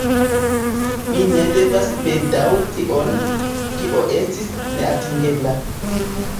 Ni ne devas bedaŭri tion, kio estis neatingebla.